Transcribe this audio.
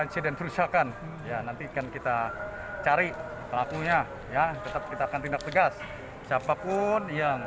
insiden kerusakan ya nantikan kita cari pelakunya ya tetap kita akan tindak tegas siapapun yang